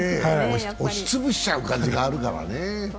押し潰しちゃう感じがあるからね。